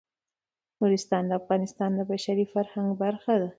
نورستان د افغانستان د بشري فرهنګ برخه ده.